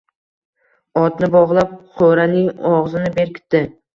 Otni bog‘lab, qo‘raning og‘zini berkitdi.